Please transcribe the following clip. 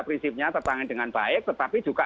prinsipnya tertangani dengan baik tetapi juga